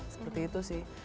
seperti itu sih